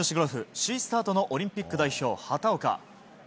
首位スタートのオリンピック代表、畑岡。